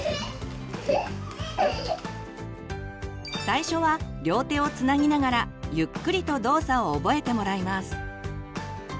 最初は両手をつなぎながらゆっくりと動作を覚えてもらいます。